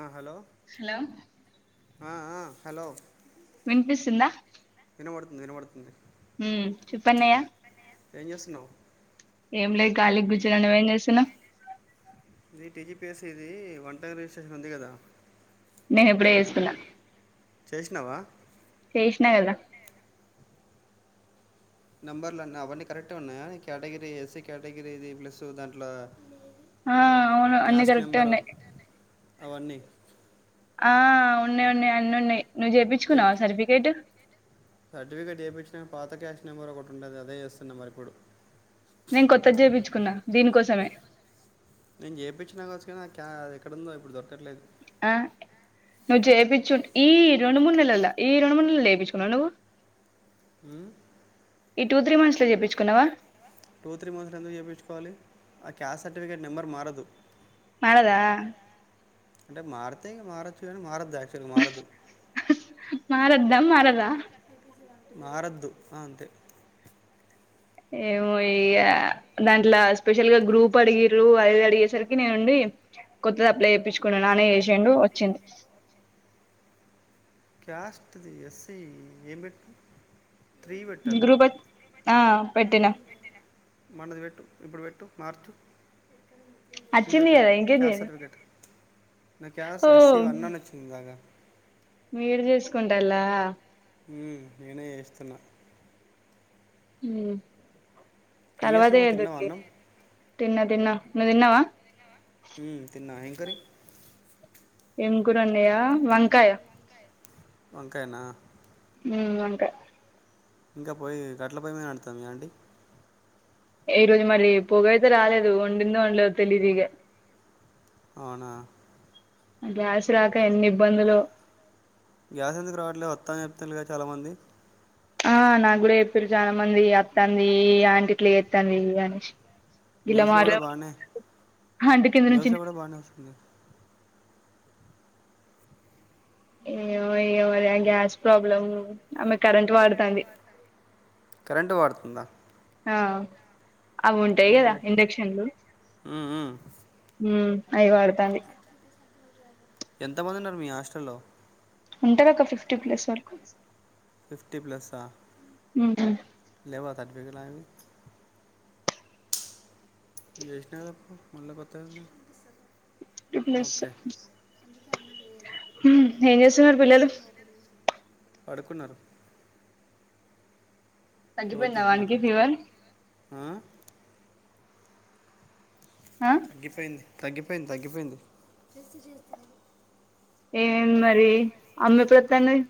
ఆ hello hello ఆ ఆ హలో వినిపిస్తుందా వినబడుతుంది వినబడుతుంది హ్మ్ చెప్ అన్నయ్య ఏం చేస్తున్నావ్ ఏం లే ఖళీగ్ కూర్చున్న నువేం ఏం చేస్తున్నావ్ ఇది టీజీపిఎస్ ఇది వంటగ రిజిస్ట్రేషన్ ఉంది కదా నేను ఇప్పుడే ఎసుకున్నా చేేసినవా చేసినా కదా నెంబర్లు అన్న అవన్నీ కరెక్టే ఉన్నాయా కేటగిరీ ఎస్సీ కేటగిరీ ఇది ప్లస్ దాంట్లో ఆ అవును అన్ని క్యాస్ట్ కరెక్ట్ ఎ నెంబరు ఉన్నాయ్ అవన్నీ ఆ ఉన్నాయి ఉన్నాయి అన్ని ఉన్నాయి నువ్వు చెక్ చేపించుకున్నావా సర్టిఫికేట్ సర్టిఫికేట్ చేపించిన పాత క్యాష్ నెంబర్ ఒకటి ఉండది అదే చేస్తున్న మరి ఇప్పుడు నేను కొత్తది చేపించుకున్నా దీనికోసమే నేను చేపించిన కావచ్చు కానీ క్య ఎక్కడున్దో ఇప్పుడు దొరకట్లేదు ఆ నువ్వు చేపించ్చు ఈ రెండు మూడు నెలల్లో ఈ రెండు మూడు నెలలు చేపించుకున్నావా నువ్వు హ్మ్ ఈ టూ త్రీ మంత్స్ లో చేపించుకున్నావా టూ త్రీ మంత్స్లో మంత్స్లా ఎందుకు చేపించుకోవాలి ఆ క్యాస్ట్ సర్టిఫికేట్ నెంబర్ మారదు మారదా అంటే మారుతే ఇగ మారచ్చు గానీ మారద్దు యాక్చువల్గా మారదు మారద్దా మారదా మారద్దు ఆ అంతే ఏమో ఇగ దాంట్లో స్పెషల్ గా గ్రూప్ అడిగిరు అది ఇది అడిగేసరికి నేనుండి కొత్త తప్పులే చేప్పించుకున్నా నానే వసేండు వచ్చింది క్యాస్ట్ది ఎస్సఐ ఏం పెట్ గ్రూప్ ఆ పెట్టిన మనది పెట్టు ఇప్పుడు పెట్టు మార్చు అచ్చింది కద ఇంకేమి చేయను నాకు కేసు ఎస్ సి ఒన్ అని వచ్చింది మీడు చేసుకుంటలా హ్మ్మ్ నేనే చేస్తున్నా హ్మ్మ్ ఏం చేస్తున్నావూ తిన్నావ అన్నం తిన్న తిన్నా నువ్వు తిన్నవా హ్మ్మ్ తిన్న ఏమి కర్రీ ఏంగురున్నాయా వంకాయ వంకాయనా హ్మ్మ్ వంకాయ ఇంకా పోయి గట్టల పోయి మీము అడతాం అండి ఈ రోజు మళ్ళీ పొగ అయితే రాలేదు వండింద వండలేదు తెలీదిగ అవునా గ్యాసు రాక ఎన్ని ఇబ్బందులో గ్యాస్ ఎందుకు రావట్లేదు వత్తా అని చెప్పతునట్గా చాలా మంది ఆ నాకు కూడా చెప్పారు చాలా మంది అత్తంది ఆంటిట్లో ఎస్తుంది అనేసి ఇలా న్యూస్ లో మాట్లా కూడా బానే అంటి కింద నుంచి న్యూస్ లో కూడా బానే వస్తుంది ఏయ్యో ఏయ్యో అద గ్యాస్ ప్రాబ్లమ్ ఆమె కరెంట్ వాడుతాంది కరెంటు వాడుతుందా ఆ అవి ఉంటాయి కదా అబ్బో. ఇండక్షన్లు మ్మ్, మ్మ్. అఐ వడుతాంది ఎంతమంది ఉన్నారు మీ హాస్టల్లో ఉంటారు ఓక్క ఫిఫ్టీ ప్లేస్ వరకు ఫిఫ్టీ ప్లస్ ఆ ఉ లేవా సర్టిఫికెట్లావి జేసిన కదాప్ప మళ్ళ కొత్తవి ఫిఫ్టీ ప్లస్ ఓకే ఏం చేస్తున్నారు పిల్లలు పడుకున్నారు క్లోజ్ తగ్గిపోయిందా పోయిందా చేసి నాకు వానికి వద్దు. ఫీవర్ ఆ? ఆ తగ్గిపోయింది తగ్గిపోయింది తగ్గిపోయింది ఏమ్మ్ మరి అమ్మ ఎప్పుడు వస్తా అన్నది